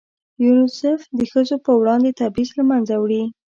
یونیسف د ښځو په وړاندې تبعیض له منځه وړي.